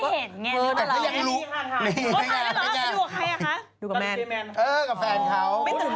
เขาเห็นในภาพไหมคะว่าก็ไม่เห็น